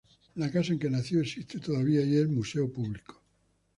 La casa en que nació existe todavía y es museo público.